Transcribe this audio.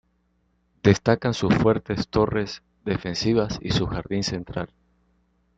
Destacan sus fuertes torres defensivas y su jardín central.